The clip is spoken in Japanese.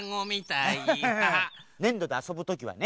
ねんどであそぶときはね